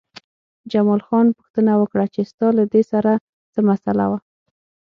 جمال خان پوښتنه وکړه چې ستا له دې سره څه مسئله وه